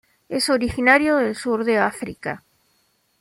Es originario del sur de África.